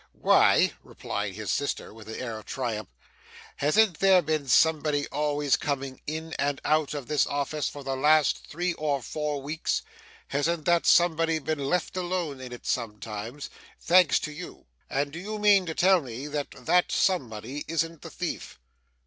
'Why,' replied his sister with an air of triumph, 'hasn't there been somebody always coming in and out of this office for the last three or four weeks; hasn't that somebody been left alone in it sometimes thanks to you; and do you mean to tell me that that somebody isn't the thief!